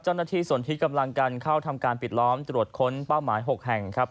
เจ้าหน้าที่ส่วนที่กำลังกันเข้าทำการปิดล้อมตรวจค้นเป้าหมาย๖แห่งครับ